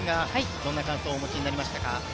どんな感想をお持ちになりましたか？